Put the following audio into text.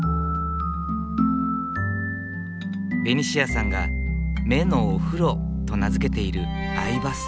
ベニシアさんが目のお風呂と名付けているアイバス。